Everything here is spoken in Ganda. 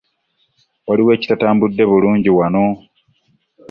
Waliwo ekitatambudde bulungi wano.